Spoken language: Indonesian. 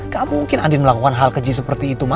gak mungkin andin melakukan hal keji seperti itu